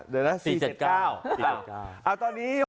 เดี๋ยวนะ๔๗๙